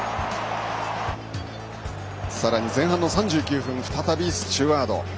さらに前半の３９分再びスチュワード。